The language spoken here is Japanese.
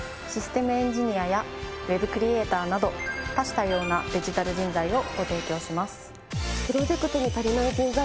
システムエンジニアやＷｅｂクリエイターなど多種多様なデジタル人材をご提供します。